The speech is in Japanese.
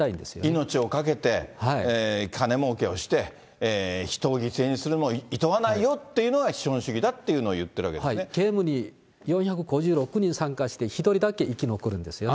命をかけて金もうけをして、人を犠牲にするのもいとわないよというのが、資本主義だっていうゲームに４５６人参加して、１人だけ生き残るんですよね。